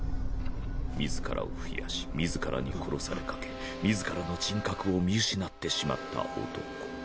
自らを増やし自らに殺されかけ自らの人格を見失ってしまった男。